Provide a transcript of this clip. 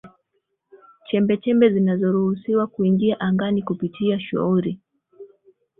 chembechembe zinazoruhusiwa kuingia angani kupitia shughuli